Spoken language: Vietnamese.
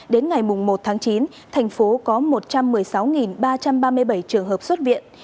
đến ngày một chín tp hcm có một trăm một mươi sáu ba trăm ba mươi bảy trường hợp xuất viện